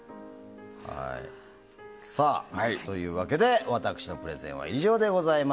さあ、というわけで私のプレゼンは以上でございます。